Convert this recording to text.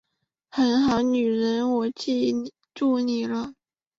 很好，女人我记住你了